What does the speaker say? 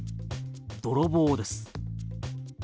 泥棒です。